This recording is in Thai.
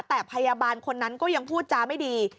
แต่พยาบาลคนนั้นก็ยังพูดจาไม่ดี